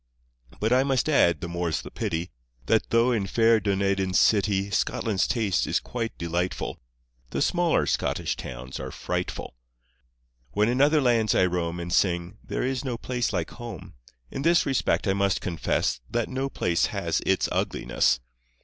But I must add (the more's the pity) That though in fair Dunedin's city Scotland's taste is quite delightful, The smaller Scottish towns are frightful. When in other lands I roam And sing "There is no place like home." In this respect I must confess That no place has its ugliness.